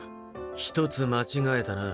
ひとつ間違えたな。